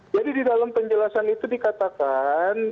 jadi di dalam penjelasan itu dikatakan